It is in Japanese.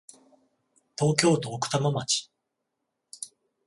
東京都奥多摩町